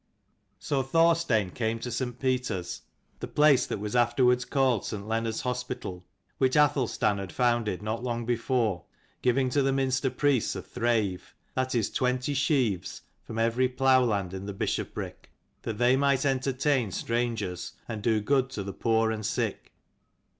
So Thorstein came to St. Peter's (the place that was afterwards called St. Leonard's Hos pital) which Athelstan had founded not long before, giving to the Minster priests a thrave, that is twenty sheaves, from every plough land in the bishopric, that they might entertain strangers and do good to the poor and sick.